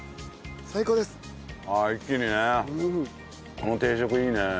この定食いいね。